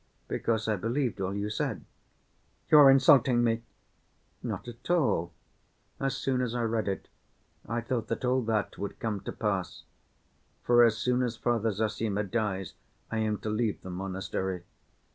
"Because I believed all you said." "You are insulting me!" "Not at all. As soon as I read it, I thought that all that would come to pass, for as soon as Father Zossima dies, I am to leave the monastery.